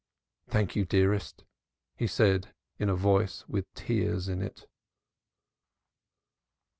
"Thank you, dearest," he said in a voice with tears in it.